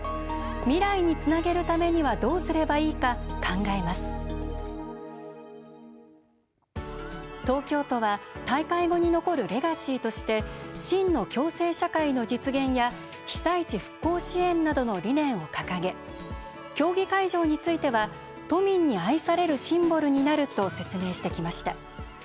未来につなげるためにはどうすればいいか考えます東京都は大会後に残るレガシーとして「真の共生社会の実現」や「被災地復興支援」などの理念を掲げ、競技会場については都民に愛されるシンボルになると説明してきました。